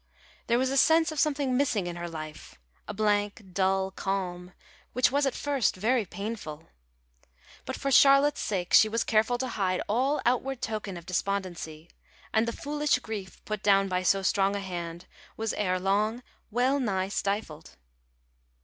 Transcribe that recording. There was a sense of something missing in her life a blank, dull calm, which was at first very painful. But for Charlotte's sake she was careful to hide all outward token of despondency, and the foolish grief, put down by so strong a hand, was ere long well nigh stifled.